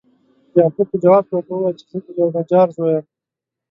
یعقوب په جواب کې ورته وویل چې زه د یوه نجار زوی یم.